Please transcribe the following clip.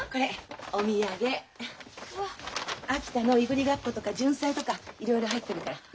秋田のいぶりがっことかじゅんさいとかいろいろ入ってるから。ね！